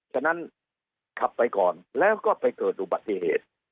ฉะนั้นขับไปก่อนแล้วก็ไปเกิดอุบัติเหตุ